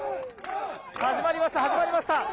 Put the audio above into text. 始まりました始まりました。